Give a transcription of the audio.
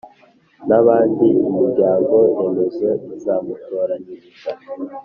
n’abandi imiryango remezo izamutoranyiriza